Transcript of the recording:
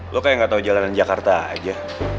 gue kayak gak tau jalanan jakarta aja